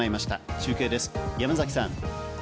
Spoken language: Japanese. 中継です、山崎さん。